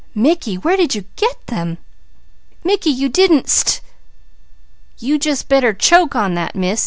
Mickey, where did you get them? Mickey, you didn't st ?" "You just better choke on that, Miss!"